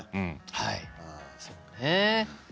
はいそうね。